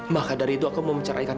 maka dari itu aku mau menceraikan